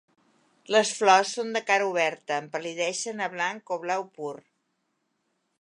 Les flors són de cara oberta, empal·lideixen a blanc o blau pur.